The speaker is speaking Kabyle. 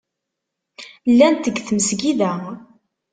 Llant deg tmesgida.